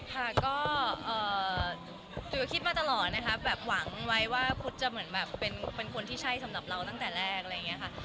ค่ะก็จุ๋ยก็คิดมาตลอดนะคะแบบหวังไว้ว่าพุทธจะเหมือนแบบเป็นคนที่ใช่สำหรับเราตั้งแต่แรกอะไรอย่างนี้ค่ะ